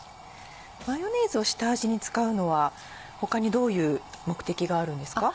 マヨネーズを下味に使うのは他にどういう目的があるんですか？